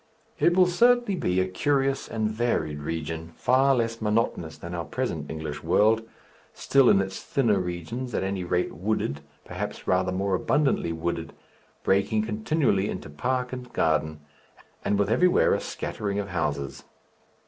It will certainly be a curious and varied region, far less monotonous than our present English world, still in its thinner regions, at any rate, wooded, perhaps rather more abundantly wooded, breaking continually into park and garden, and with everywhere a scattering of houses.